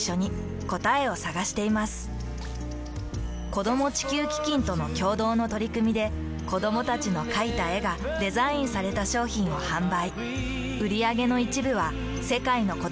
子供地球基金との共同の取り組みで子どもたちの描いた絵がデザインされた商品を販売。